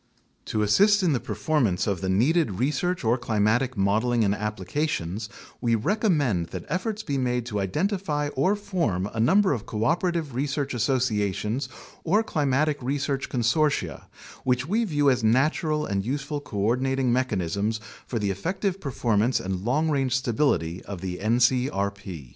To assist in the performance of the needed research or climatic modeling and applications, we recommend that efforts be made to identify or form a number of cooperative research associations or cli matic research consortia, which we view as natural and useful co ordinating mechanisms for the effective performance and long range stability of the ncrp.